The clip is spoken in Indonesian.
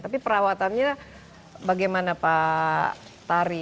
tapi perawatannya bagaimana pak tari